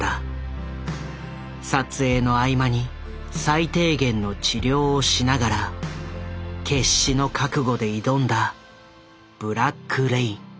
撮影の合間に最低限の治療をしながら決死の覚悟で挑んだ「ブラック・レイン」。